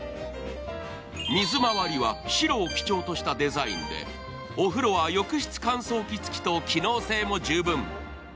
水まわりは白を基調としたデザインでお風呂は浴室乾燥機付きと機能性も十分。